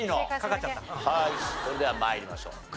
それでは参りましょう。